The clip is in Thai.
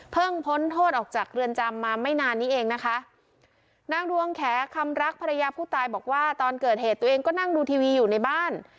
พ้นโทษออกจากเรือนจำมาไม่นานนี้เองนะคะนางดวงแขคำรักภรรยาผู้ตายบอกว่าตอนเกิดเหตุตัวเองก็นั่งดูทีวีอยู่ในบ้าน